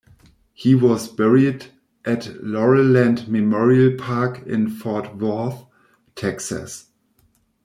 He was buried at Laurel Land Memorial Park in Fort Worth, Texas.